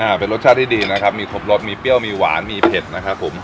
เป็นรสชาติที่ดีนะครับมีครบรสมีเปรี้ยวมีหวานมีเผ็ดนะครับผม